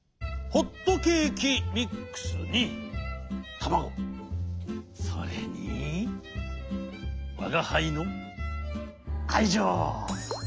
ホットケーキミックスにたまごそれにわがはいのあいじょう！